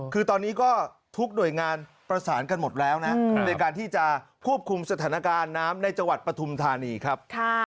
คือตอนนี้ก็ทุกหน่วยงานประสานกันหมดแล้วนะในการที่จะควบคุมสถานการณ์น้ำในจังหวัดปฐุมธานีครับ